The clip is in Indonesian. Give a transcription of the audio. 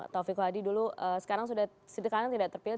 taufiq quhadi dulu sekarang sudah tidak terpilih